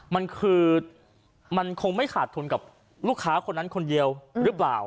มันคือมันคงไม่ขาดทุนกับลูกค้าคนนั้นคนเดียวหรือเปล่า